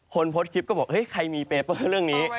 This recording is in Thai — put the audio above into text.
คนโพสต์คลิปก็บอกเฮ้ยใครมีเปเปอร์เรื่องนี้